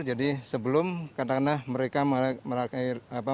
jadi sebelum karena mereka mereka